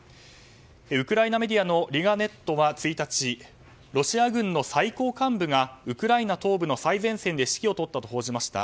ウクライナメディアのリガネットは１日、ロシア軍の最高幹部がウクライナ東部の最前線で指揮を執ったと報じました。